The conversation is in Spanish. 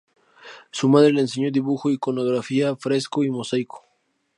Su madre le enseñó dibujo, iconografía, fresco y mosaico.